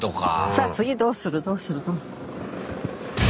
さぁ次どうするどうする。